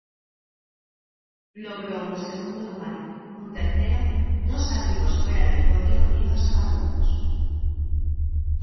Logró un segundo lugar, un tercero, dos arribos fuera del podio y dos abandonos.